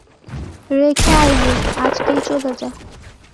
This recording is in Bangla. রেখে আয় গে, আজকেই চলে যা।